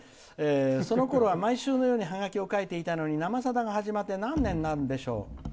「そのころは毎週のようにハガキを書いていたのに「生さだ」が始まって何年になるんでしょう。